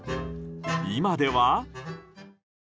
今では。